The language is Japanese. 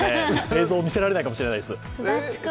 映像、見せられないかもしれないです。